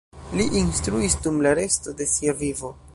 Li instruis dum la resto de sia vivo.